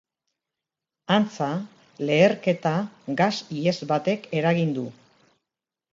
Antza, leherketa gas-ihes batek eragin du.